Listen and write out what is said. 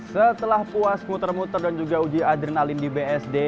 setelah puas muter muter dan juga uji adrenalin di bsd